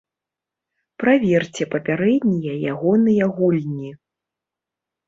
Праверце папярэднія ягоныя гульні.